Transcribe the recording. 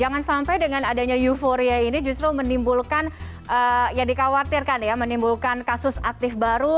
dan sampai dengan adanya euforia ini justru menimbulkan ya dikhawatirkan ya menimbulkan kasus aktif baru